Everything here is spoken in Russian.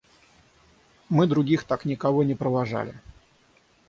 Мы других так никого не провожали.